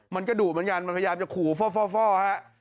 มันก็ดุเหมือนกันมันพยายามจะขู่ฟ่อฮะ